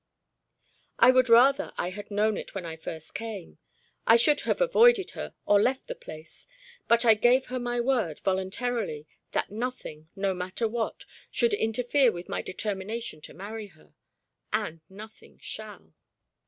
"I would rather I had known it when I first came. I should have avoided her, or left the place. But I gave her my word, voluntarily, that nothing, no matter what, should interfere with my determination to marry her, and nothing shall."